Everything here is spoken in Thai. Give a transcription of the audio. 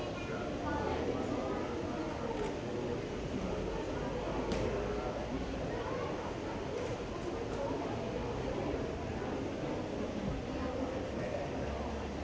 สวัสดีครับสวัสดีครับ